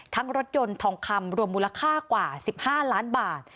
รถยนต์ทองคำรวมมูลค่ากว่า๑๕ล้านบาท